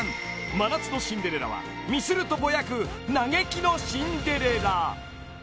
［『真夏のシンデレラ』はミスるとぼやく「嘆きのシンデレラ」？］